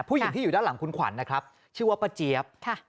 ผู้หญิงที่อยู่ด้านหลังคุณขวัญนะครับชื่อว่าป้าเจี๊ยบ